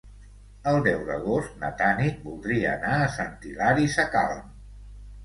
El deu d'agost na Tanit voldria anar a Sant Hilari Sacalm.